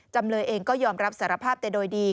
จำเลยเองก็ยอมรับสารภาพแต่โดยดี